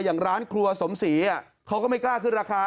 อย่างร้านครัวสมศรีเขาก็ไม่กล้าขึ้นราคา